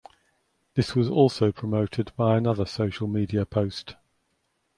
This was also promoted by another social media post.